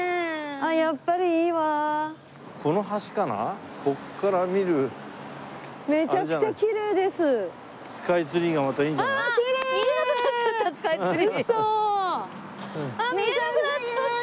あっ見えなくなっちゃった。